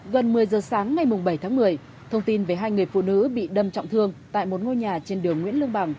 gần một mươi giờ sáng ngày bảy tháng một mươi thông tin về hai người phụ nữ bị đâm trọng thương tại một ngôi nhà trên đường nguyễn lương bằng